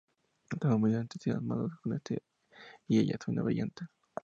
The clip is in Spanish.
Estamos muy entusiasmados con esto y ella suena brillante".